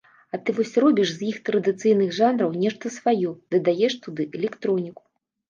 А ты вось робіш з іх традыцыйных жанраў нешта сваё, дадаеш туды электроніку.